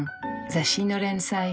雑誌の連載